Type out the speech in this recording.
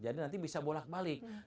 jadi nanti bisa bolak balik